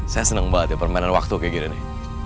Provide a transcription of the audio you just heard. saya seneng banget ya permainan waktu kayak gini